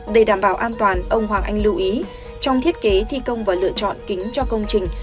để đảm bảo an toàn ông hoàng anh lưu ý trong thiết kế thi công và lựa chọn kính cho công trình